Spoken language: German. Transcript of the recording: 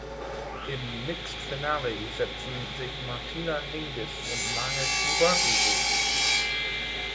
Im Mixed-Finale setzten sich Martina Hingis und Mahesh Bhupathi durch.